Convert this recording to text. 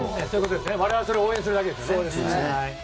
我々はそれを応援するだけです。